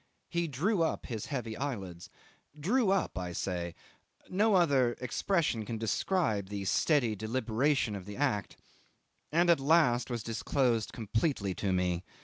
He drew up his heavy eyelids. Drew up, I say no other expression can describe the steady deliberation of the act and at last was disclosed completely to me.